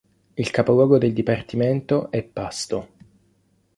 Il capoluogo del dipartimento è Pasto.